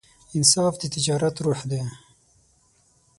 انصاف د تجارت روح دی.